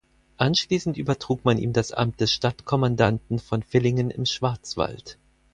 Anschließend übertrug man ihm das Amt des Stadtkommandanten von Villingen im Schwarzwald.